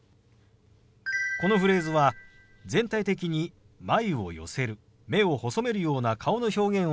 このフレーズは全体的に眉を寄せる目を細めるような顔の表現をつけるのがポイントです。